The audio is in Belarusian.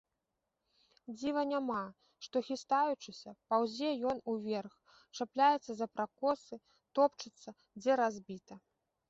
Дзіва няма, што, хістаючыся, паўзе ён уверх, чапляецца за пракосы, топчацца, дзе разбіта.